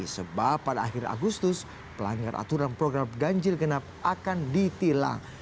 sebab pada akhir agustus pelanggar aturan program ganjil genap akan ditilang